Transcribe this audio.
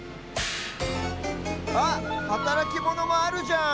あっはたらきモノもあるじゃん！